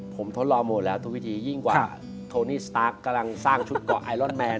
ผมทดลองหมดแล้วทุกวิธียิ่งกว่าโทนี่สตาร์ฟกำลังสร้างชุดเกาะไอรอนแมน